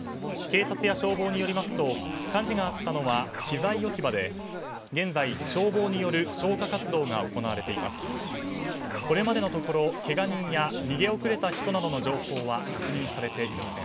警察や消防によりますと火事があったのは資材置き場で現在、消防による消火活動が行われています。